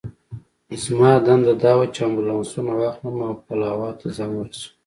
زما دنده دا وه چې امبولانسونه واخلم او پلاوا ته ځان ورسوم.